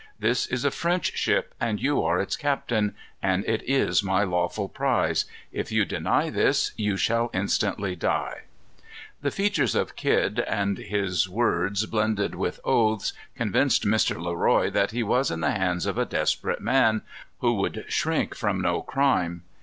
"This is a French ship, and you are its captain; and it is my lawful prize. If you deny this, you shall instantly die." The features of Kidd, and his words blended with oaths, convinced Mr. Le Roy that he was in the hands of a desperate man, who would shrink from no crime.